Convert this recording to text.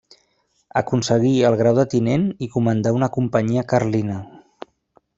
Aconseguí el grau de tinent i comandà una companyia carlina.